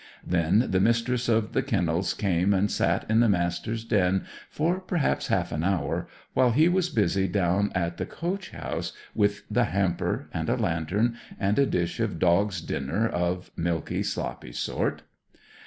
Then the Mistress of the Kennels came and sat in the Master's den for perhaps half an hour, while he was busy down at the coach house with the hamper, and a lantern, and a dish of dog's dinner of a milky, sloppy sort.